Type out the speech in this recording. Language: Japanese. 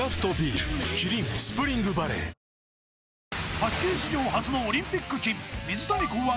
卓球史上初のオリンピック金水谷考案